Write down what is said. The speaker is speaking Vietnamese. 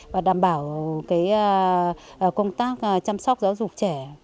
và đảm bảo công tác chăm sóc giáo dục trẻ